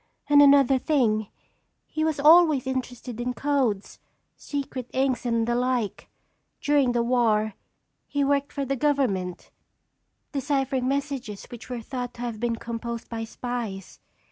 And another thing, he was always interested in codes, secret inks and the like. During the war he worked for the government, deciphering messages which were thought to have been composed by spies.